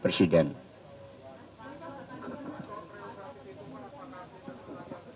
perlu pengecekan terhadap seluruh profiling dari calon calon yang berada di dalam kota